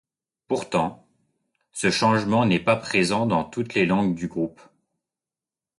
Pourtant, ce changement n'est pas présent dans toutes les langues du groupe.